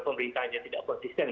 pemerintah yang tidak konsisten